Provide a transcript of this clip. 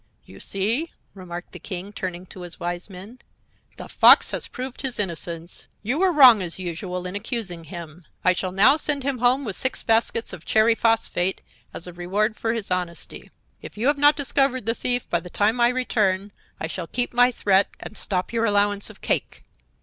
"You see," remarked the King, turning to his Wise Men; "the Fox has proved his innocence. You were wrong, as usual, in accusing him. I shall now send him home with six baskets of cherry phosphate, as a reward for his honesty. If you have not discovered the thief by the time I return I shall keep my threat and stop your allowance of cake."